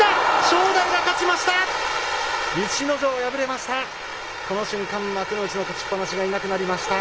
正代が勝ちました。